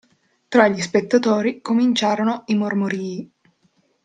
Tra gli spettatori cominciarono i mormorii.